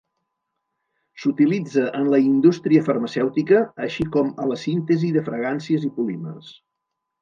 S'utilitza en la indústria farmacèutica així com a la síntesi de fragàncies i polímers.